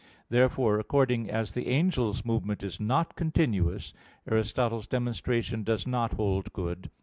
Therefore, according as the angel's movement is not continuous, Aristotle's demonstration does not hold good.